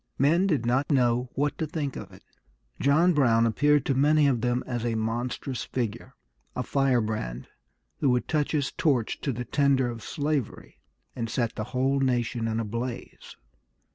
Men did not know what to think of it. John Brown appeared to many of them as a monstrous figure, a firebrand who would touch his torch to the tinder of slavery, and set the whole nation in a blaze.